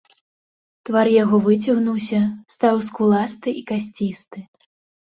Твар яго выцягнуўся, стаў скуласты і касцісты.